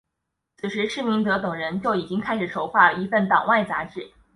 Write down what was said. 此时施明德等人就已经开始筹划一份党外杂志。